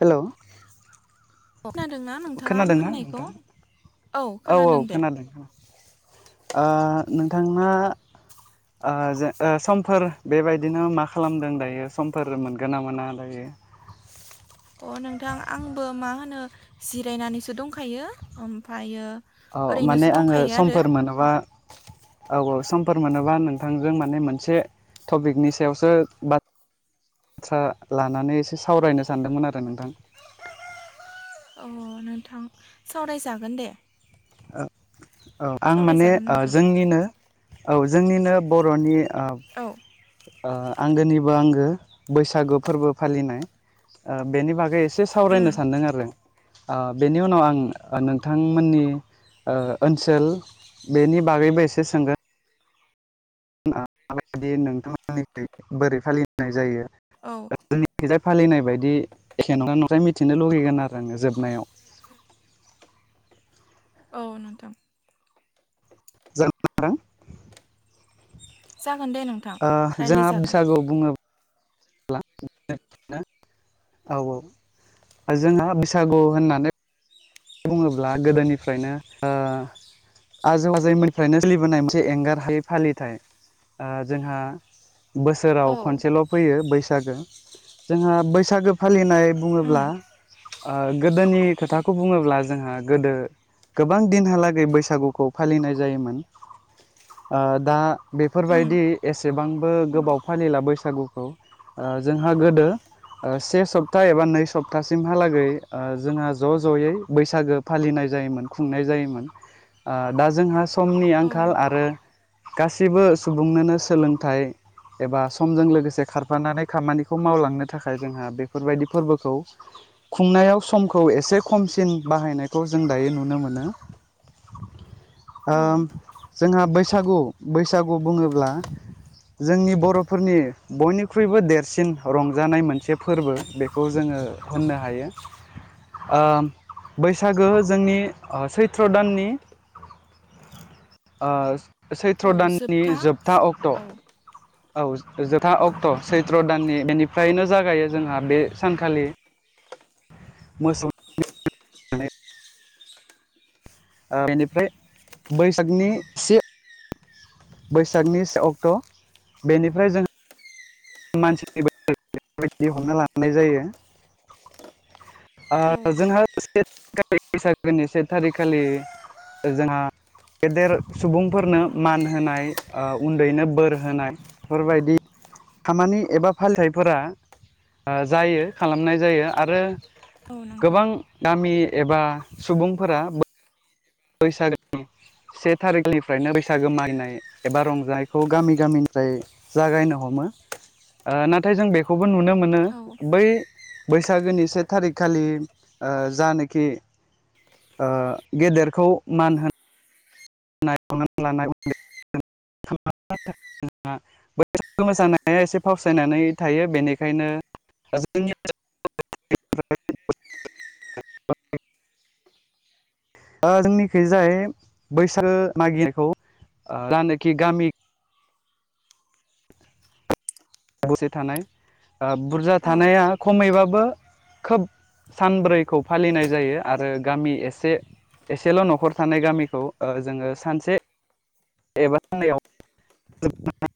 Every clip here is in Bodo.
हेलौ। खोनादों ना नोंथाङा आं खोनादोंना होननायखौ। नोंथां औ औ खोनादों खोनादों आ नोंथांना आ ज समफोर बेबायदिनो मा खालामदों दायो समफोर मोनगोन ना मोना दायो? [unintelligible] अ नोंथां आंबो मा होनो जिरायनानैसो दंखायो ओमफ्रायो औ ओरैनोसो माने आङो दंखायो आरो समफोर मोनोबा औ औ। समफोर मोनोबा नोंथांजों माने मोनसे टपिकनि सायावसो बा थ्रा लानानै एसे सावरायनो सानदोंमोन आरो नोंथां। अ नोंथां सावरायजागोन दे। औ औ आं माने सावरायजागोन ओ नोंथां जोंनिनो औ जोंनिनो बर'नि औ। ओ आंगोनिबो आंगो बैसागु फोरबो फालिनाय ओ बेनि बागै एसे एसे उम सावरायनो सानदों आरो आ बेनि उनाव आं नोंथांमोननि ओ ओनसोल बेनि बागैबो एसे सोंगोन। मा बादि नोंथांमोननिथिं बोरै फालिनाय जायो। औ। जोंनिखिजाय फालिनाय बायदि जेनबा नोथ' मिथिनो लुगैगोन आरो आङो जोबनायाव। [unintelligible] औ नोंथां। जोबनायाव जागोन दे नोंथां ओ जोंहा रायलायजागोन बैसागु बुङो ब्ला [unintelligible] औ औ आरो जोंहा बैसागु होननानै बुङोब्ला गोदोनिफ्रायनो ओ आजौ आजौमोननिफ्रायनो सोलिबोनाय मोनसे एंगार हायै फालिथाय ओ जोंहा औ बोसोराव खनसेल' फैयो बै सागो जोंहा बैसागो फालिनाय उम बुङोब्ला ओ गोदोनि खोथाखौ बुङोब्ला जोंहा गोदो गोबां दिनहालागै बैसागुखौ फालिनाय जायोमोन। ओ दा उम बेफोरबायदि एसेबांबो गोबाव फालिला बैसागुखौ। ओ जोंहा गोदो से सप्ता एबा नै सप्तासिमहालागै ओ जोंहा ज' ज'यै बैसागो फालिनाय जायोमोन खुंनाय जायोमोन। आ दा जोंहा समनि आंखाल औ आरो। गासिबो सुबुंनोनो सोलोंथाइ एबा समजों लोगोसे खारफानानै खामानिखौ मावलांनो थाखाय जोंहा बेफोरबायदि फोरबोखौ खुंनायाव समखौ एसे खमसिन बाहायनायखौ जों दायो नुनो मोनो। औ उम जोंहा बैसागु बैसागु बुङोब्ला जोंनि बर'फोरनि बयनिख्रुइबो देरसिन रंजानाय मोनसे फोरबो बेखौ जोङो ओ होननो हायो। आ बैसागो जोंनि अ सैत्र' दाननि ओ सैत्र' दाननि जोबथा अक्ट' औ औ जोबथा अक्ट' सैत्र' दाननि बेनिफ्रायनो जागायो जोंहा बे सानखालि मोसौ ओ बेनिफ्राय बैसागनि से बैसागनि से अक्ट' बेनिफ्राय जों मानसिनि [unintelligible] हरना लानाय जायो औ ओ जोंहा [unintelligible] बैसागोनि से थारिख खालि जोंहा गेदेर सुबुंफोरनो मान होनाय ओ उन्दैनो बोर होनाय बेफोरबायदि खामानि एबा फालिथाइफोरा जायो खालामनाय जायो आरो औ नोंथां गोबां गामि एबा सुबुंफोरा बैसागो से थारिखनिफ्रायनो बैसागो मागिनाय एबा रंजानायखौ गामि गामिनिफ्राय जागायनो हमो ओ नाथाय जों बेखौबो नुनो मोनो औ बै बैसागोनि से थारिखखालि ओ जानाखि ओ गेदेरखौ मान होनो [unintelligible] लानाय [unintelligible] मोसानाया एसे फावसायनानै थायो बेनिखायनो जोंनि [unintelligible] [inaudible] ओ जोंनिखि जाय बैसागो मागिखौ [unintelligible] खि गामि दसे थानाय ओ बुरजा औ थानाया खमैबा बो खोब सानब्रैखौ फालिनाय जायो आरो गामि एसे एसेल' न'खर थानाय गामिखौ जोङो सानसे एबा साननैआव [unintelligible]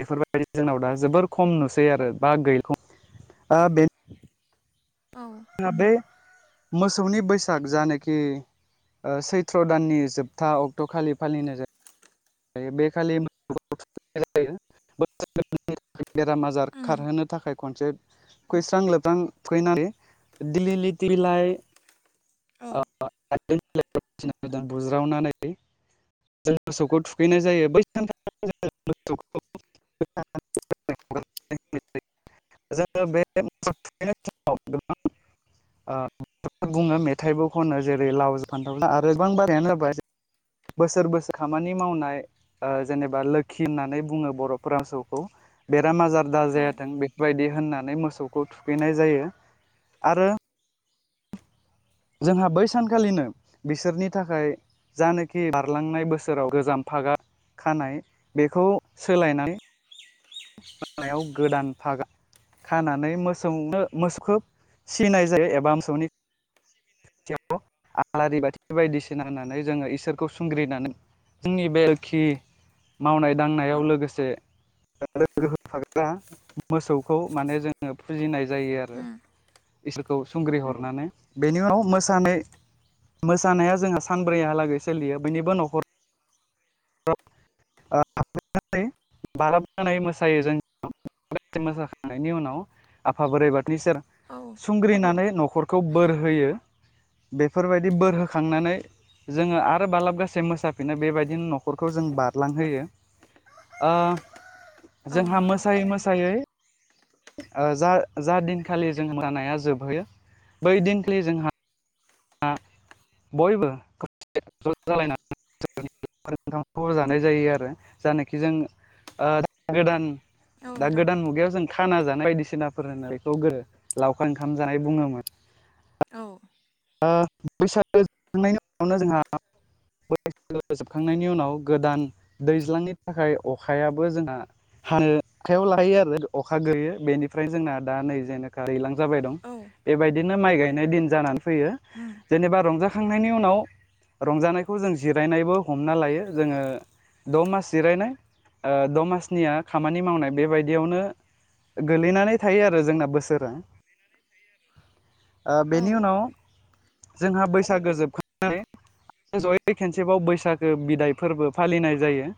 बेफोरबायदि जोंनाव दा जोबोर खम नुसै आरो बा गैखम ओ बेनो औ जोंहा बे मोसौनि बैसाग जानोखि ओ सैथ्र' दाननि जोबथा अक्ट' खालि फालिनाय जायो बे खालि [unintelligible] बेराम आजार उम खारहोनो थाखाय खनसे खुस्रां लोबस्रां फैनानै दिलिलिति लाय औ अ [unintelligible] बुज्रावनानै जों मोसौखौ थुखैनाय जायो बै [unintelligible] जोङो बे [unintelligible] ओ बुङो मेथाइबो खनो जेरै लाव फान्थाव आरो गोबां बारायानो जाबाय बोसोर बोसोर खामानि मावनाय ओ जेनेबा लो होननानै बुङो बर' फसौखौ बे आजार दा औ जायाथों बेफोरबायदि होनना मोसौखौ थुखैनाय जायो आरो जोंहा बै सानखालिनो बिसोरनि थाखाय जानोखि बारलांनाय बोसोराव गोजाम फागा खानाय बेखौ सोलायनाय [unintelligible] गोदान फागा खानानै मोसौनो मोसौखौ सिनाय जायो एबा मोसौनि खा आलारि बाथि बायदिसिना होनानै जोङो इसोरखौ सुंग्रिनानै जोंनि बेलखि मावनाय दांनायाव लोगोसे होफाग्रा मोसौखौ माने जोङो फुजिनाय जायो आरो उम इसोरखौ सुंग्रि हरनानै बेनि उनाव मोसानाय मोसानाया जोंहा सानब्रैहालागै सोलियो बयनिबो न'खर [unintelligible] बाराबनानै मोसायो जों मोसाखांनायनि उनाव आफा बोरै बाथनि सेर औ सुंग्रिनानै न' खरखौ बोर होयो बेफोरबायदि बोर होखांनानै जोङो आरो बालाब गासे मोसाफिनो बेबायदिनो न' न'खरखौ जों बारलांहोयो ओ औ जोंहा नोंथां मोसायै मोसायै ओ जा जा दिनखालि जों मो [unintelligible] नाया जोबहोयो बै दिनखालि जोंहा हा बयबो [unintelligible] ज जालायनानै [unintelligible] जानाय जायो आरो जानखि जों ओ गोदान औ दा नोंथां गोदान मुगायाव जों खाना जानाय बायदिसिनाफोर होननाय बेखौ गो लावखार ओंखाम जानाय बुङोमोन औ ओ बैसागो जोबखांनायनि उनावनो जोंहा [unintelligible] जोबखांनायनि उनाव गोदान दैज्लांनि थाखाय अखायाबो जोंहा हानो आखायाव लाहैयो आरो अखा गोयो बेनिफ्राय जोंना दा नै जेनेखा दैलां जाबाय दं औ एबायदिनो माइ गायनाय दिन जानानै फैयो उम जेनेबा रंजा खुंनायनि उनाव रंजानायखौ जों जिरायनायबो हमना लायो जोङो द' मास जिरायनाय ओ द' मासनिया खामानि मावनाय बेबायदियावनो गोलैनानै थायो आरो जोंना बोसोरा ओ औ बेनि उनाव जोंहा बैसागो जोबखां [unintelligible] जयै खनसेबाव बैसागो बिदाय फोरबो फालिनाय जायो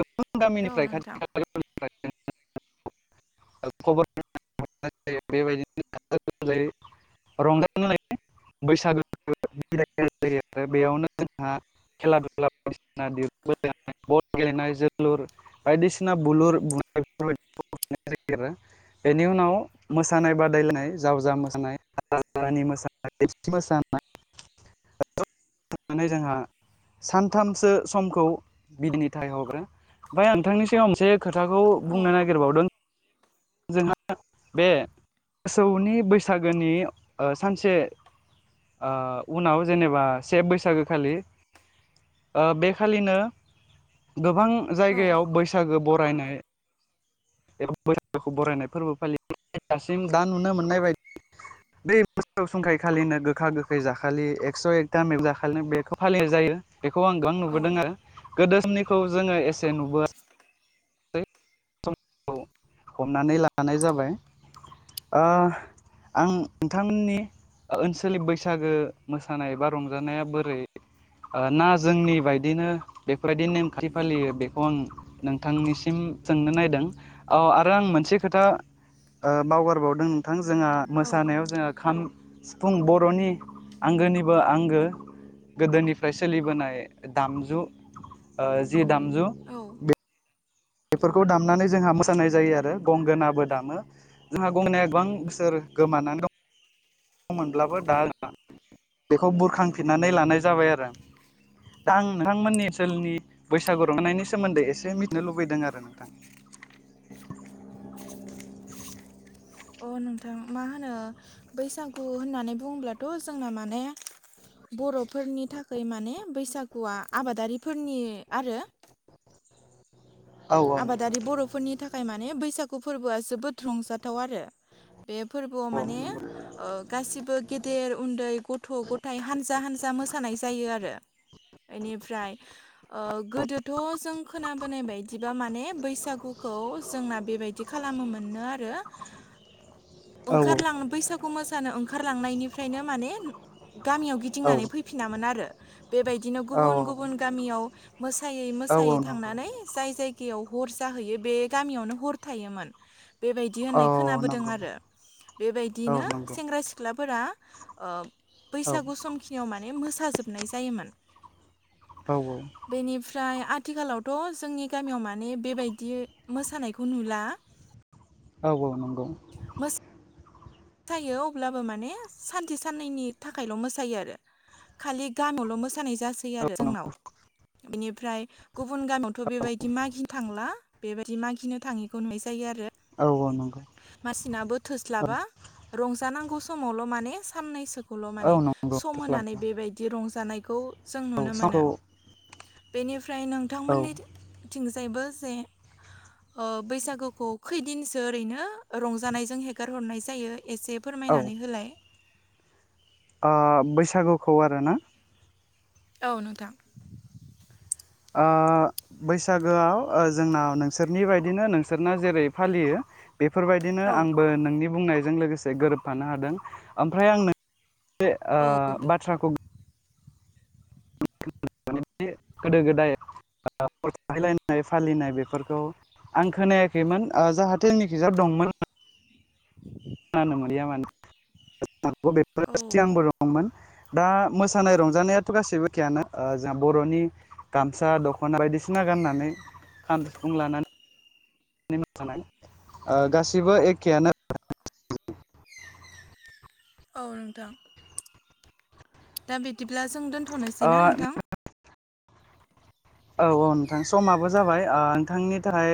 गोबां औ गामिनिफ्राय खाथि नोंथां खालाफोरनिफ्राय [unintelligible] खबर [unintelligible] बेबायदिनो [unintelligible] बैसागो [unintelligible] बेयावनो जोंहा खेला दुला बायदिसिना [unintelligible] गेलेनाय जोलुर बायदिसिना बुलुर [unintelligible] उनाव मोसानाय बादायलायनाय जावजा मोसानाय [unintelligible] [unintelligible] जोंहा सानथामसो समखौ [unintelligible] फिथाइ हरग्रो ओमफ्राय नोंथांनि सिगायाव मोनसे खोथाखौ औ बुंनो नागिरबावदों जोंहा बे मोसौनि बैसागोनि ओ सानसे उनाव जेनेबा से बैसागो खालि ओ बेखालिनो गोबां औ जायगायाव बैसागो बरायनो एबा बैसागुखौ बरायनाय फोरबो फालियो दासिम दा नुनो मोननाय बायदि बे मोसौ सुंखाय खालिनो गोखा गोखै जाखालि एकस' एकथाम जाखालिनो बेखौ फालिनाय जायो बेखौ आं गोबां औ नुबोदों आरो गोदो समनिखौ जोङो एसे नुबोआ हमनानै लानाय जाबाय ओ आं नोंथांमोननि ओनसोलनि बैसागो मोसानाय बा रंजानाया बोरै ना जोंनि बायदिनो बेफोरबायदि नेमखान्थि फालियो बेखौ आं नों थांनिसिम जोंनो नायदों औ आरो आं मोनसे खोथा बावगारबावदों नोंथां जोंहा औ मोसानायाव जोंहा खाम सिफुं बर'नि आंगोनिबो आंगो गोदोनिफ्राय सोलिबोनाय दामजु जि दामजु औ बे बेफोरखौ दामनानै जोंहा मोसानाय जायो आरो गंगोनाबो दामो जोंहा गंनायाया गोबां बोसोर गोमानानै दं न मोनब्लाबो दा बेखौ बुरखांफिननानै लानाय जाबाय आरो दा आं नोंथांमोननि ओनसोलनि बैसागु रंजानायनायनि सोमोन्दै एसे मिथिनो लुबैदों आरो नोंथां [inaudible] अ नोंथां मा होनो बैसागु होननानै बुङ्लाथ' जोंना माने बर'फोरनि थाखाय माने बैसागुआ आबादारिफोरनि आरो औ नोंथां आबादारि बर'फोरनि थाखाय माने बैसागु फोरबोआ जोबोद रंजाथाव आरो बे फोरबोआव माने ओ गासिबो गेदेर उन्दै गथ' गथाय हानजा हानजा मोसानाय जायो आरो बेनिफ्राय गोदोथ' जों खोनाबोनाय बायदि बिदिबा माने बैसागुखौ जोंना बेबायदि खालामो मोनो आरो औ ओंखारलाङो बैसागु मोसानो ओंखारलांनायनिफ्रायनो माने गामियाव गिदिंनानै फैफिनामोन आरो बेबायदिनो औ गुबुन गुबुन गामियाव मोसायै औ मोसायै औ नंगौ थांनानै जे जायगायाव हर जाहैयो बे गामियावनो हर थायोमोन बेबायदि औ होननाय औ खोनाबोदों नंगौ आरो औ बेबायदिनो नंगौ सेंग्रा सिख्ला फोरा औ बैसागु सम खिनियाव माने मोसा जोबनाय जायोमोन। औ औ। ओमफ्राय आथिखालावथ' जोंनि गामियाव माने बेबायदि मोसानायखौ नुला नंगौ औ नंगौ [inaudible] मोसायो अब्लाबो माने सानसे साननैनि थाखायल' मोसायो आरो खालि गामियावल' मोस मोसानाय जासै औ आरो औ जोंनाव बेनिफ्राय गुबुन गामियावथ' बेबायदि म थांला बेबायदि मागिनो थाङिखौ नस जायो आरो नंगौ मासिनाबो थोस्लाबा औ रंजानांगौ समावल' माने साननैसोखौल' औ माने नंगौ सम होनानै थोस्लाबा बेबायदि रंजानायखौ जों औ नुनो समखौ मोनो बेनिफ्राय औ नोंथांमोननि [inaudible] बैसागुखौ खैदिनसो ओरैनो रंजानायजों हेगार हरनायसै जायो एसे ओ फोरमायनानै होलाय? बैसागुखौ आरोना औ नोंथां। बैसागोआव जोंनाव नोंसोरनि बायदिनो नोंसोरना जेरै फालियो बेफोरबायदिनो औ आंबो नोंनि बुंनायजों लोगोसे गोरोबफानो हादों ओमफ्राय आं नों बे औ बाथ्राखौ गोदो गोदाय फायलायनाय फालिनाय बेफोरखौ आं खोनायाखैमोन जाहाथे जोंनिखिजा दंमोन। [inaudible] खोनानो मोनैया मानो बेफोर औ सिगांबो दंमोन दा मोसानाय रंजानायाथ' गासैबो एखैयानो जोंहा बर'नि गामसा दख'ना बायदिसिना सिना गाननानै खाम सिफुं लानानै गासिबो एखेआनो औ नोंथां। दा बिदिब्ला जों ओ दोन्थ'नोसैना नोंथां? औ औ नोंथां समाबो जाबाय नोंथांनि थाखाय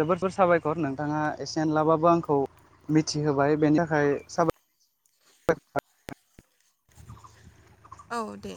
जोबोर जोबोर साबायखर नोंथाङा एसे एनलाबाबो आंखौ मिथिहोबाय बेनि थाखाय साबाय औ दे।